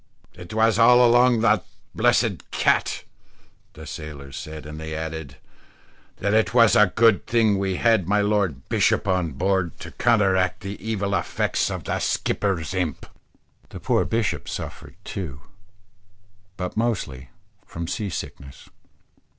"It was all along of that blessed cat," the sailors said; and they added, "that it was a good thing we had my lord bishop on board, to counteract the evil effects of the skipper's imp." The poor bishop suffered too, but mostly from sea sickness.